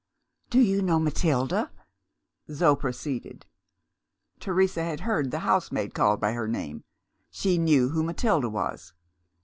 "Do you know Matilda?" Zo proceeded. Teresa had heard the housemaid called by her name: she knew who Matilda was.